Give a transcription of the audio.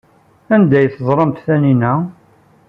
Anda ay teẓramt Taninna?